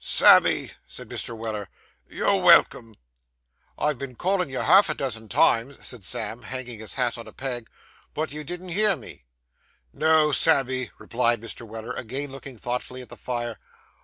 'Sammy,' said Mr. Weller, 'you're welcome.' 'I've been a callin' to you half a dozen times,' said Sam, hanging his hat on a peg, 'but you didn't hear me.' 'No, Sammy,' replied Mr. Weller, again looking thoughtfully at the fire.